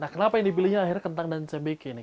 kenapa yang dibiliin akhirnya kentang dan sambiki ini